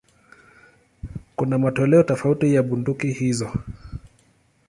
Kuna matoleo tofauti ya bunduki hizo.